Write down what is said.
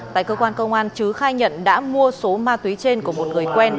tại cơ quan công an chứ khai nhận đã mua số ma túy trên của một người quen